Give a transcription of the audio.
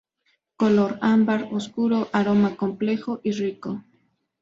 Color ámbar oscuro, aroma complejo y rico.